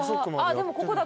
でもここだ。